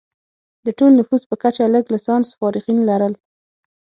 د ټول نفوس په کچه لږ لسانس فارغین لرل.